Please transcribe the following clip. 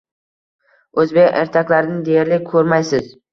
o‘zbek ertaklarini deyarli ko‘rmaysiz